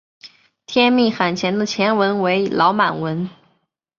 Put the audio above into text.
天命汗钱的钱文为老满文。